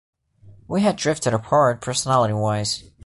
We had drifted apart, personality-wise.